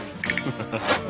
ハハハハ。